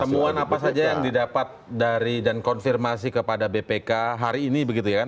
temuan apa saja yang didapat dari dan konfirmasi kepada bpk hari ini begitu ya